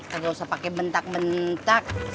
gak usah pakai bentak bentak